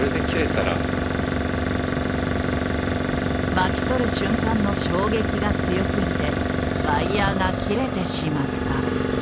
巻き取る瞬間の衝撃が強すぎてワイヤーが切れてしまった。